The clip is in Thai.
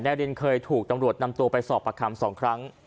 รินเคยถูกตำรวจนำตัวไปสอบประคำ๒ครั้ง